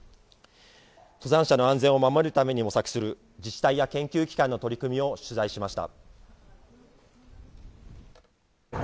登山者の安全を守るために模索する自治体や研究機関の取り組みを取材しました。